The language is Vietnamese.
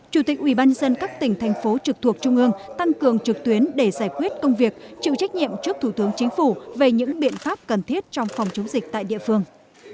chủ tịch ubnd các tỉnh thành phố trực thuộc trung ương tăng cường trực tuyến để giải quyết công việc chịu trách nhiệm trước thủ tướng chính phủ về những biện pháp cần thiết trong phòng chống dịch tại địa phương